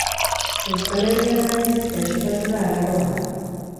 Euskal Herrian, aldiz, gaixotasuna arraroa da.